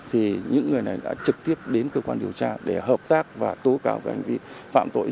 thì những người này đã trực tiếp đến cơ quan điều tra để hợp tác và tố cáo hành vi phạm tội